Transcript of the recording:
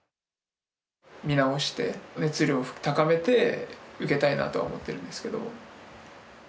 見直して、熱量を高めて受けたいなとは思っているんですけど。